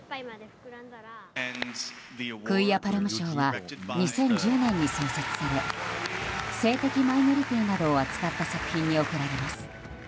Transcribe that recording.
クィア・パルム賞は２０１０年に創設され性的マイノリティーなどを扱った作品に贈られます。